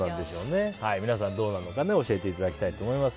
皆さん、どうなのか教えていただきたいと思います。